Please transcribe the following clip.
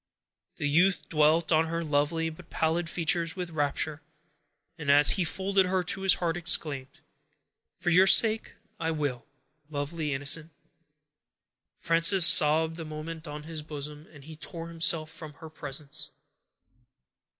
The youth dwelt on her lovely but pallid features with rapture; and, as he folded her to his heart, exclaimed,— "For your sake, I will, lovely innocent!" Frances sobbed a moment on his bosom, and he tore himself from her presence.